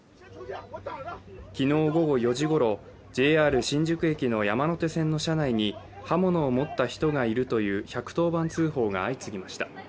昨日午後４時ごろ、ＪＲ新宿駅の山手線の車内に刃物を持った人がいるという１１０番通報が相次ぎました。